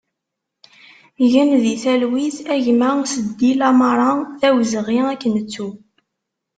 Gen di talwit a gma Seddi Lamara, d awezɣi ad k-nettu!